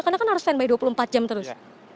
karena kan harus standby dua puluh empat jam terus